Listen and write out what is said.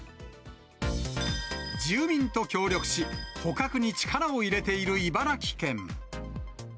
住民と協力し、捕獲に力を入れている茨城県。